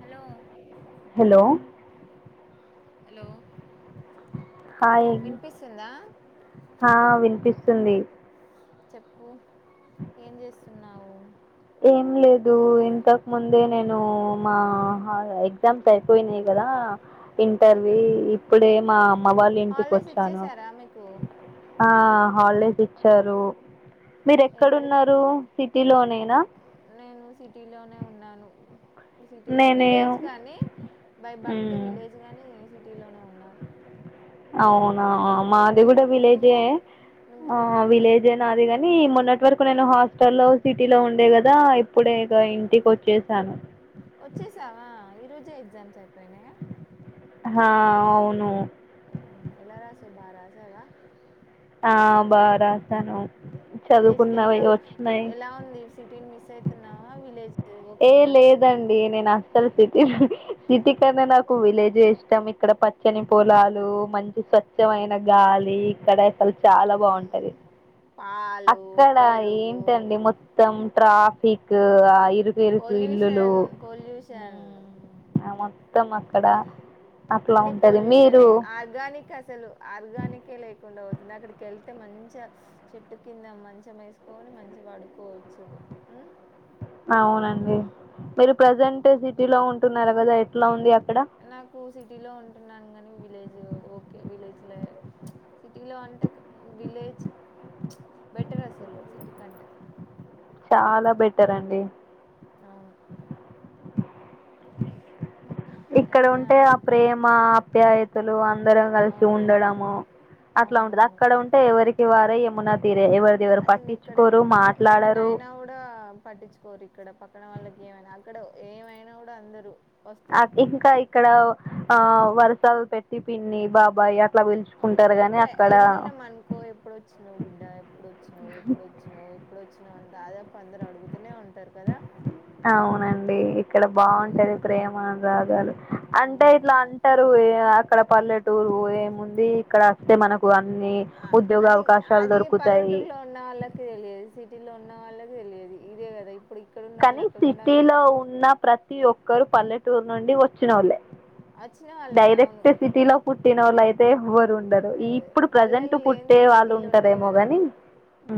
Hello hello hello hi వినిపిస్తుందా స్తుందిి. చెప్పు ఏం చేస్తు నువ్ మా హ ఎగ్జామ్స్ అయిపోయినాయి కదా ఎక్కడ ఇంటర్వి ఇప్పుడే మా అమ్మ వాళ్ళ హాలిడేస్ ఇంటికొచ్చాను. ఇచ్చేసారా మీకు ఆ హాల్డేస్ ఇచ్చారు. మీరు ఎక్కడు ఎక్కడ ఉన్నారు సిటీ లోనేనా నేను సిటీ లోనే ఉన్నాను. సిటీలో నేనే విలేజ్ కాని బై బర్త్ మ్మ్. విలేజ్ గాని సిటీ లోనే అవునా మాది మీరు కూడా విలేజే నువ్వు నువ్వు ఆ విలేజే నాది కా నీ మొన్నటి వరకు నేను హాస్టల్లో సిటీలో ఉండే కదా ఇప్పుడే ఇక ఇంటికొచ్చేసాను. ఈ రోజే ఎగ్జామ్స్ అయిపోయి హా అవును. హ్మ్ ఎలా రాసావ్ బా రాసావా ఆ బాగ రాసాను. విలేజ్ చదువుకున్నవి కెళ్ళావ్ వచ్చినాయి ఎలా ఉంది సిటీని మిస్ అయితున్నావా విలేజ్ ఏ ఓకేనా లేదండి. నేను అస్సలు సిటీ సిటీ కన్నా నాకు విలేజే ఇష్టం ఇక్కడ పచ్చని పొలాలు మంచి స్వచ్ఛమైన గాలి ఇక్కడ సలు చాలా బాగుంటది. పాలు అక్కడ పెరుగు ఏంటండి మొత్తం ట్రాఫిక్ ఆ ఇ పొల్యూషన్ పొల్యూషన్ మ్మ్, ఆ మొత్తం అక్కడ అట్లా అన్ని ఉంటది మీరు పొల్యూషనే ఆర్గానిక్ అసలు ఆర్గానికే లేకుండా దక్కడికి వెళ్తే మంచిగ చెట్టు కింద మంచం వేసుకొని మంచి పడుకోవచ్చు మ్ అవునండి. మీరు ప్రజెంట్ సిటీలో ఉంటున్నారుకదా ఎట్లా ఉంది అ నాకు సిటీలో ఉంటున్నాను కాని విలేజ్ ఓకే విలేజ్లో సిటీలో అంటే క విలేజ్ బెటర్ అసలు సిటి కంటే చాలా బెటరండి. అవును. ఇంకా ఇక్కడ ఏం ఉంటే ఆ ప్రేమ ఆప్యాయతలు అ అందరం కలిసి అవునవును ఉండడము అట్లా ఉంటది అవునవును అక్కడ ఉంటే ఎవరికి వారే యమునా తీరు అసలు ఇక్కడ ఏమన్నా అయినా కూడా పట్టించుకోరు ఇక్కడ పక్కన వాళ్ళకి ఏమైనా అక్కడ ఏమైనా కూడా అందరు ఇంకా ఇక్కడ ఆ వరుసలు పెట్టి పిన్ని బాబాయ అ అవును ఎప్పుడే వెళ్ళినం అనుకో ఎప్పుడు వచ్చినావు బిడ్డ ఎప్పుడు వచ్చినవు ఎప్పుడు వచ్చినావు ఎప్పుడు వ చ్చినావ్ అదే అవునండి ఇక్కడ ఉమ్, బాగుంటది ప్రేమ అ నురాగాలు అంటే అమ్మమ్మ ఇట్లా అంటారు ఇక్కడ పల్లెటూరు ఏముంది ఇక్కడ వస్తే మనకు అన్ని ఆ ఉద్యోగ అది అవకాశాలు అది దొరుకుతాయి పల్లెటూరులో ఉన్న వాళ్ళకి తెలియదు సిటీలో ఉన్న వాళ్ళకి తెలియదు ఇదే కద ఇప్పు కానీ సిటీలో ఉన్న ప్రతి ఒక్కరు పల్లెటూరు నుండి వచ్చినవోళ్ళే వచ్చిన వాళ్ళే అవును డైరెక్ట్ సిటీలో పుట్టినోళ్ళు అయితే ఎవరు ఉండరు ఏ, ఈ ఇప్పుడు ప్రజెంట్ పల్లెలు పుట్టే లేనిది వాళ్ళు సిటీలు ఉండవు ఉంటరేమో కదా గాని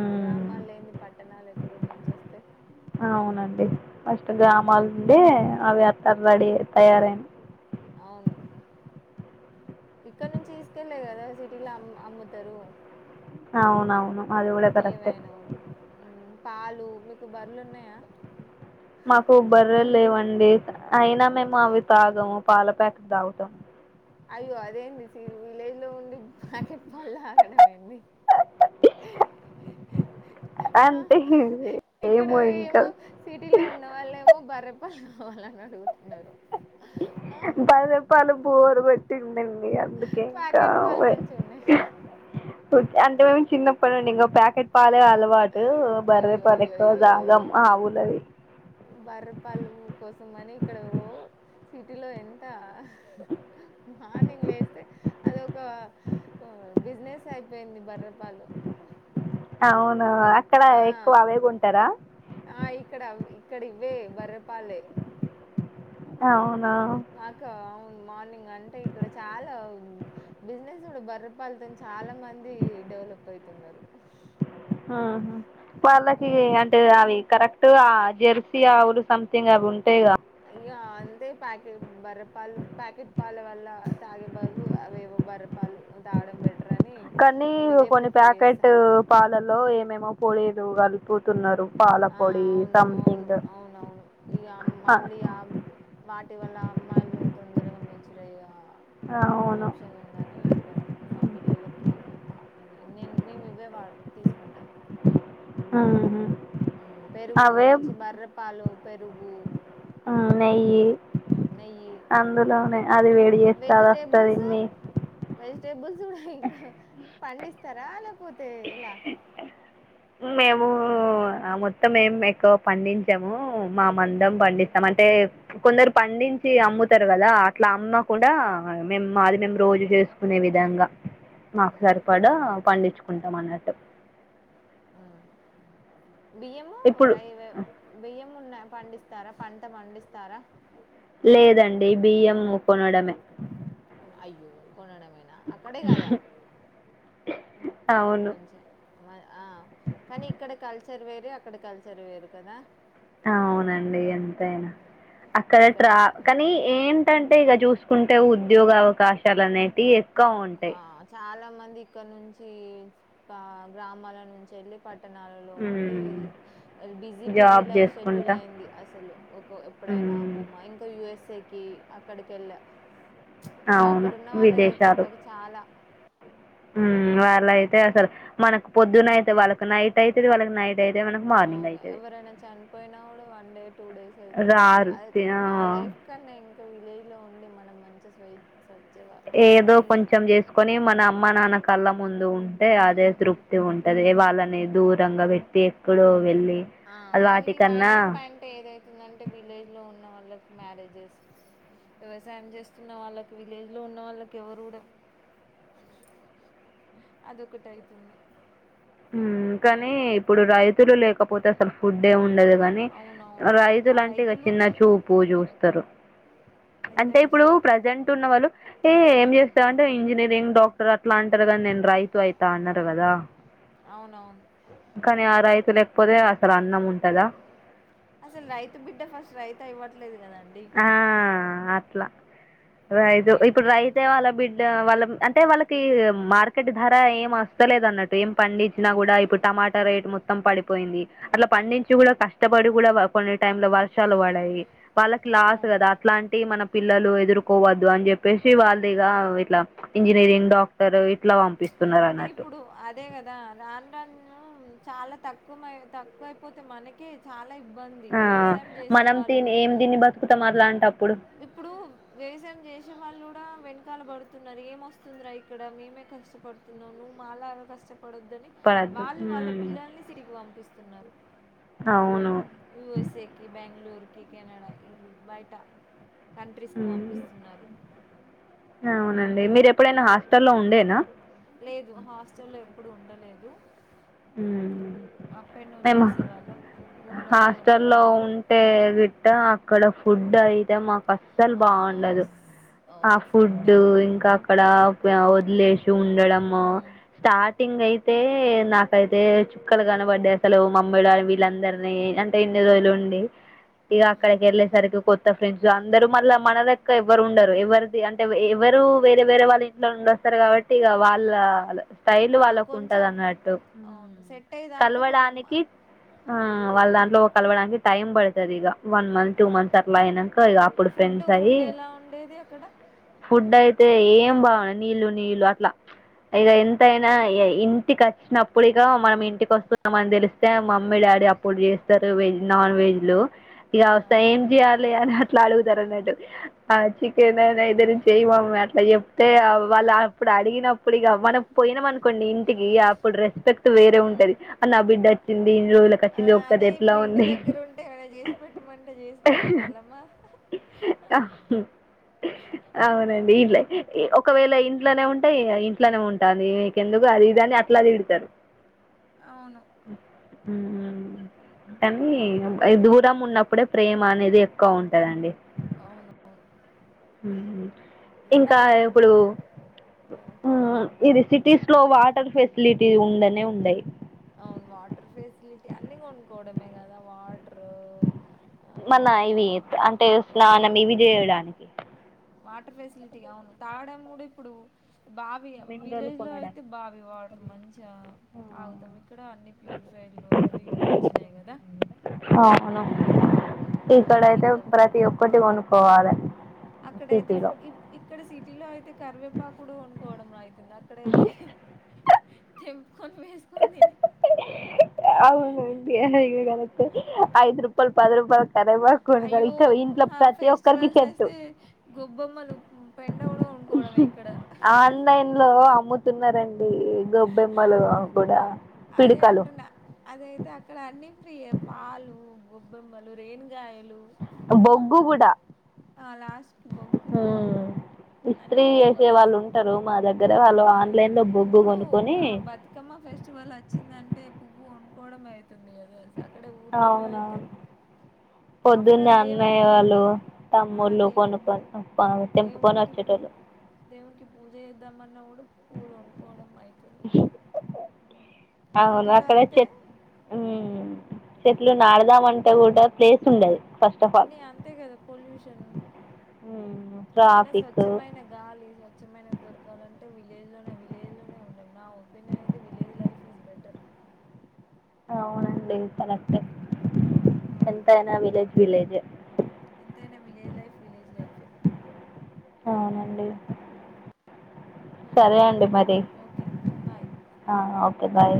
మ్మ్ గ్రామాలు లేంది పట్టణాలు ఎక్కడ నుంచి వస్తాయ్ అవునండి ఫస్ట్ గ్రామాల నుండి అవి అత్త రెడీ తయారయనా అవును ఇక్కడ నుంచి తీసుకెళ్ళ కదా సిటీలో అమ్ అమ్ముతారు అవునవును అది కూడా కరెక్టే ఏవైనా కూడా ఉమ్ పాలు మీకు బర్రెలు ఉన్నాయా మాకు బర్రెలు లేవండి అయినా మేము అవి తాగము పాల ప్యాకెట్ తాగుతాం అయ్యో అదేంటి విలేజ్ లో ఉండి ప్యాకెట్ పాలు తాగడం ఏంది ఆ అంటే ఇక్కడ ఏమో ఇంకా ఏమో సిటీలో ఉన్న వాళ్ళేమో బర్రె పాలు కావాలని అడుగుతున్నారు ఆ, పెట్టిందండి అందుకే ఇంకా ప్యాకెట్ పాలు మంచిగా ఉన్నాయి అంటే మేము చిన్నప్పడుండి ఇంకా ప్యాకెట్ పాలే కా అలవాటు బర్రె అయ్యో పాలు అయ్యో ఎక్కువ అయ్యో తాగము ఆవులవి కోసం అని ఇక్కడ ఓ సిటీలో ఎంత మార్నింగ్ లేస్తే అదొక బిజినెస్ అయిపోయింది బర్రె పాలు ఆ అక్కడ ఎక్కువ అవే కొంటారా వే బర్రె పాలే అవును మాకా అవును మార్నింగ్ అంటే ఇక్కడ చాలా బిజినెస్ కూడా బర్రె పాలతోని చాలా మంది డెవలప్ అయితున్నారు ఆహా వాళ్ళకి హ్మ్. అంటే అవి కరెక్ట్ గా జెర్సీ ఆవులు సంథింగ్ అవి ఉంటాయిగా ఇగ అంతే ప్యాకెట్ బర్రెపాలు ప్యాకెట్ పాల వల్ల ల తాగే బదులు అవేవో బర్రెపాలు తాగడం బె కానీ కొన్ని ప్యాకెట్ పాలల్లో ఏమేమో పోడిలు కలుపుతున్నారు పాల ఆ పొడి అవును అవును సంథింగ్ అవునవును ఇగ మళ్ళీ ఆ వా వల్ల అమ్మాయిలు తొందరగా మెచ్యూర్ అయ్యే అవును ఆప్షన్ ఉందని ఇగ మా పిల్లలకి మా పా నేను మేము ఇవే వా తీసుకుంటాం అవునా ఆ పెరుగు మంచి బర్రెపాలు పెరుగు ఆ నెయ్యి నెయ్యి అందులోనే అది వేడి చేస్తే అది వస్తాది మీ చూడ ఇంకా పండిస్తారా లేకపోతే ఎలా మేము ఆ మొత్తం మేము ఎక్కువ పండించాము మా మందం పండిస్తామని అంటే కొందరు పండించి అమ్ముతారు కదా అట్లా అమ్మకుడా మేము మాది మేము రోజు చేసుకునే విధంగా మాకు ఉమ్, సరిపడా పండించుకుంటాం అన్నట్టు బియ్యము ఇప్పుడు రైవ బియ్యము ఉన్నా పండిస్తారా పంట పండిస్తారా లేదండి బియ్యం కొనడమే అయ్యో కొనడమేనా అక్కడే కదా అవును మంచిగా ఆ కానీ ఇక్కడ కల్చర్ వేరే అక్కడ కల్చర్ వేరు కదా అవునండి అంతే అక్కడ ఇక్కడ ట్రాప్ కానీ ఏంటంటే ఇక చూసుకుంటే ఉద్యోగ అవకాశాలు అనేటివి ఎక్కువ ఉంటాయి ఆ! చాలా ఇక్కడ నుంచి బా గ్రామాల నుంచి వెళ్ళి పట్టణాలలో ఉండి ఉమ్, busy busy job life schedule చేసుకుంటా అయింది అసలు ఒక ఇప్పుడైనా ఉమ్. అమ్మమ్మ ఇంకా యు ఎస్ ఏ కి అక్కడికెళ్ళ అవును విదేశాలు [inaudible] మ్ వాళ్ళ అయితే అసలు మనకు పొద్దున అయితే వాళ్ళకి నైట్ అయితది వాళ్ళకి నైట్ అయితే మనకు మార్నింగ్ అవును. అయితది ఎవరైనా చనిపోయినా కూడా వన్ డే టూ డేస్ అవుతుంది రారు తి- ఆ లైఫ్ కన్నా ఇంకా విలేజ్ లో ఉ నుండి మనం మంచి [unintelligible] ఏదో కొంచెం చేసుకొని మన అమ్మ, నాన్న కళ్ళ ముందు ఉంటే అదే తృప్తి ఉంట ది వాళ్ళని దూరంగా పెట్టి ఎక్కడో వెళ్ళి ఆ అది మళ్ళీ వాటికన్నా మైనస్ పాయింట్ ఏదైతుందంటే విలేజ్ లో ఉన్న వాళ్ళకు మ్యారేజెస్ వ్యవసాయం చేస్తున్న వాళ్ళకి విలేజ్ లో ఉన్న వాళ్ళకి ఎవరు కూడా [inaudible] అది ఒకటయితుంది మ్మ్ కానీ ఇప్పుడు రైతులు లేకపోతే అసలు ఫుడ్డే ఉండదు కానీ అవునవును ఆ రైతులంటే ఇక రైతులు చిన్న చూపు చూస్తారు ఎంత అంటే ఇప్పుడు కష్టం ప్రజెంట్ ఉన్నవాళ్ళు ఏ ఏం చేస్తావు అంటే ఇంజనీరింగ్, డాక్టర్ అట్లా అంటారు కానీ నేను రైతు అయితా అన్నారు కదా అవునవును కానీ ఆ రైతు లేకపోతే అసలు అన్నం ఉంటదా అసలు రైతు బిడ్డ ఫస్ట్ రైతు అవ్వట్లేదు కదా ఆ అట్ల రైతు మెయిన్ ఇప్పుడు రైతే వాళ్ళ బిడ్డ వాళ్ళ అంటే వాళ్ళకి మార్కెట్ ధర ఏం వస్తలేదు అన్నట్టు ఏం పండించినా కూడా ఇప్పుడు టమాటా రేట్ మొత్తం పడిపోయింది అట్లా పండించి కూడా కష్టపడి కూడా కొన్ని టైమ్ లో వర్షాలు పడాయి వాళ్ళకి లాస్ అవును కదా అట్లాంటి మనం పిల్లలు ఎదుర్కోవద్దు అని చెప్పేసి వాళ్ళు ఇగా ఇట్లా ఇంజనీరింగ్, డాక్టర్ ఇట్లా పంపిస్తున్నారు అంటే అన్నట్టు ఇప్పుడు అదే కదా ఆంధ్రా చాలా తక్కువ తక్కువ అయిపోతే మనకే చాలా ఇబ్బంది ఆ వ్యవసాయం చేసే మనం వాళ్ళు తిని ఏం తిని బతుకుతాం అలాంటప్పుడు ఇప్పుడు వ్యవసాయం చేసే వాళ్ళు కూడా వెంట ుక్కలు పడుతున్నారు ఏమొస్తుందిరా ఇక్కడ మేమే కష్టపడుతున్నాము నువ్వు మాలాగా కష్టప పడొద్దని పడద్దు వాళ్ళు వాళ్ళ ఉమ్, పిల్లల్ని సిటీ కి పంపిస్తున్నారు అవును యుఎస్ఏకి బెంగళూరుకి కెనడ ఈ బయటా కంట్రీస్కు ఉమ్, పంపిస్తున్నారు అండి మీరు ఎప్పుడైనా హాస్టల్లో ఉండేనా లేదు హాస్టల్ల్లో ఎప్పుడు ఉండలేదు మ్మ్ అప్ అండ్ డౌన్ చేసే వాళ్ళం. ఊళ్ళోనే ఉండే హాస్టల్లో వాళ్ళం ఉంటే గిట్ట అక్కడ ఫుడ్ అయితే మాకు అస్సలు బాఉండదు ఆహ్ ఫుడ్ ఫుడ్డు ఇంకా అక్కడ వదిలేసి ఉండడం స్టార్టింగ్ అయితే తే నా అయితే చుక్కలు కనపడ్డాయి అసలు మమ్మీ డాడీ వీళ్ళందరినీ అంటే ఇన్ని రోజులు ఉండి ఇగా ఆక్కడకి ఎల్లే సరికి కో త్త ఫ్రెండ్స్ అందరు మళ్ళ మన దగ్గ ఎవరు ఉండరు ఎవరిది అంటే ఎవరు వేరే వేరే వాళ్ళ ఇంట్లో ఉండి వస్తారు కాబట్టి ఇగ వాళ్ళ స్టైల్ వాళ్ళకు ఉంటది కొంచెం అన్నట్టు అవును సెట్ అయ్యేదాకా కొంచెం కలవడానికి ఆహ్ వాళ్ళ దాంట్లో కలవడానికి టైమ్ పడతాది ఇగ వన్ మంత్ టూ మంత్స్ అట్లా అయినాక ఇక అప్పుడు ఫుడ్ ఫ్రెండ్స్ అయి ఫుడ్ ఎలా ఉండేది అక్కడ ఫుడ్ అయితే ఏ ఏం బా నీళ్లు నీళ్లు అట్లా ఇక ఎంతయినా ఇంటికిచ్చినడు ఇప్పుడిక మనం ఇంటికి వస్తుంనామని తెలిస్తే మమ్మీ డాడీ అప్పుడు చేస్తారు వెజ్ నాన్ వెజ్లు ఇగా వేస్తే ఏం చెయ్యాలి అని అట్లా అడుగుతారు అన్నట్టు ఆహ్ చికెన్ అనా ఏదైనా చేయ్య మమ్మీ అట్లా చెప్తే వాళ్ళు అప్పుడు అడిగినప్పుడు ఆప్పుడిక మనం పోయినాం అనుకోండి ఇంటికి అప్పుడు రెస్పెక్ట్ వేరే ఉంటది ఆ నా బిడ్డ వచ్చింది ఎన్ని ఆ రోజులకచ్చింది ఒక్కది అదే ఎట్లా ఇప్పుడు ఇంటి ఉంది దగ్గర ఉంటే ఏమైనా చేసి పెట్టమంటే చేసి పెట్టేవాళ్ళమ్మా అవునండి ీట్ ఒకవేళ ఇంట్లోనే ఉంటే ఇంట్లోనే ఉంటాంది మీకెందుకు అది ఇదిని అట్లా తీడతారు అవును హమ్ కానీ దూరం ఉన్నప్పుడే ప్రేమ అనేది ఎక్కువ ఉంటదండి అవునవును ఇంకా ఇప్పుడు మరి హమ్ ఇది సిటీ స్ లో వాటర్ ఫెసిలిటీ ఉండనే ఉండయి అవును వాటర్ ఫెసిలిటీ అన్ని కొనుక్కవడమే కదా వా మన ఇవి అంటే వెజ్ స్నానం ఇవి చేయడానికి వాటర్ ఫెసిలిటీ అవును తాగడం కూడా ఇప్పుడు బావి మినరల్ విలేజ్ లో అయితే కొనడానికి. బావి వాటర్ మంచిగా తగుతాం ఇక్కడ అన్ని ప్యూరిఫై అవి ఇవి వచ్చినాయి కదా అవును ఇక్కడైతే ఇంకా ప్రతి ఒక్కటి కొనుక్కవాలి అక్కడయితే ఇఇక్కడ సిటీలో అయితే కరివేపాకుడు కొనుకోవడం అయితే అక్కడ అయితే తేంపుకొని వేసుకొని తిని అవునుండి అది కార్ట్ ఎహ్ ఐదు రూపాయల్ పద రూపాయల్ అయ్యో మా ఒక్కరికి ఫెస్టివల్స్ చెట్టు వస్తే గొబ్బొమ్మలు పెండ కూడా కొనుక్కోవడమే ఇక్కడ ఆన్లైన్ లో అమ్ము తున్నారండి గొబ్బెమ్మలు కూడా పిడికాలు అదయితే అక్కడ అన్ని ఫ్రీ ఎహ్ పాలు బొబ్బెమ్మలు రేను గాయలు బొగ్గు కూడా ఆ లాస్ట్ బొగ్గు ఉమ్. అన్నీ ఇస్త్రీ వేసే కొనుక్కోవాల్సి వస్తుంది వాళ్ళు ఉంటారు మా దగ్గర వాళ్ళు ఆ ఆన్లైన్ లో బొగ్గు ఇప్పుడు కొనుక్కొని ఆ బతుకమ్మ ఫెస్టివల్ వచ్చిందంటే పువ్వు కోడ అవుతుంది కదా అక్కడే ఊర్లోలో అయితే ఆఫ్టర్ పొద్దున్న ఆల్ అన్నయ్య దేవునికి వాళ్ళు ఆ! తమ్ముళ్ళు దే కొనుక్క దేవునికి పూ దేవునికి పూజ చేద్దామన్నా ఇప్పుడు పూలు కోనుకోవడం అయితుంది అవును సిటీలో అక్కడ అయితే చెట్ హమ్ చెట్లు నాడదామంటే కూడా ప్లేస్ ఉండదు ఫస్ట్ ఆఫ్ ఆల్ అన్నీ అంతే కదా పొల్యూషన్ [unintelligible] అయినా స్వచ్ఛమైన గాలి స్వచ్ఛమైనవి దొరకాలంటే విలేజ్ లోనే విలేజ్ లోనే ఉండ నా ఉపగ ఏమంటే విలేజ్ లైఫ్ ఈస్ బెటర్ అవునండి కరెక్ట్ ఎంతనా విలేేజ్, విలేేజ్ ఎంతనా విలేేజ్ లైఫ్, విలేేజ్ లైఫ్ అవునండి సరే అండి మరి ఓకే బాయ్ ఓకే బాయ్